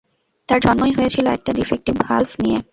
তার জন্মই হয়েছিল একটা ডিফেকটিভ ভাল্ব নিয়ে।